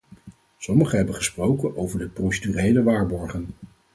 Sommigen hebben gesproken over de procedurele waarborgen.